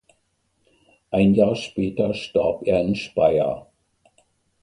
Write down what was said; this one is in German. Ein Jahr später starb er in Speyer.